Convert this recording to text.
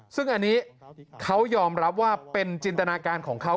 ซึ่งอันนี้เขายอมรับว่าเป็นจินตนาการของเขา